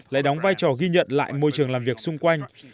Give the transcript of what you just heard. lại đóng vai trò ghi nhận lại môi trường làm việc xung quanh